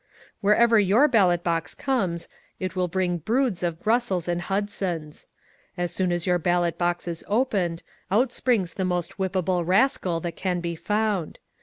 ^ Wherever your ballot box comes it will bring broods of Bussells and Hudsons. As soon as your ballot box is opened, out springs the most whippable rascal that can be found.